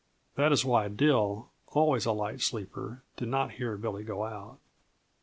That is why Dill, always a light sleeper, did not hear Billy go out.